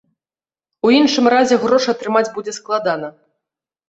У іншым разе грошы атрымаць будзе складана.